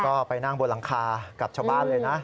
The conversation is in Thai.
ก็ไปนั่งบนหลังคากับชาวบ้านเลยนะ